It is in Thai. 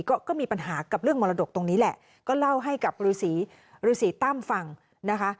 ก็ก็มีปัญหากับเรื่องมรดกตรงนี้แหละก็เล่าให้กับฤษีฤษีตั้มฟังนะคะ